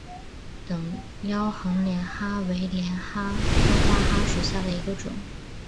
等腰横帘蛤为帘蛤科花蛤属下的一个种。